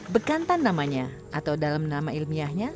bekantan namanya atau dalam nama ilmiahnya